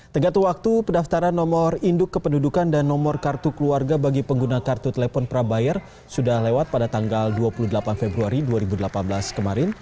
tenggat waktu pendaftaran nomor induk kependudukan dan nomor kartu keluarga bagi pengguna kartu telepon prabayar sudah lewat pada tanggal dua puluh delapan februari dua ribu delapan belas kemarin